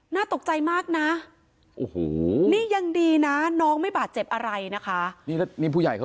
น่าตกใจมากนะโอ้โหนี่ยังดีนะน้องไม่บาดเจ็บอะไรนะคะ